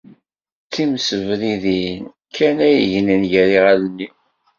D timsebridin kan ara yegnen gar iɣallen-iw